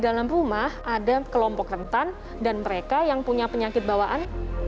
di dalam rumah ada kelompok rentan dan mereka yang punya penyakit bawaan